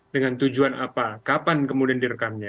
dengan tujuan apa kapan kemudian direkamnya